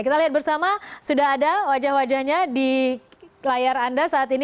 kita lihat bersama sudah ada wajah wajahnya di layar anda saat ini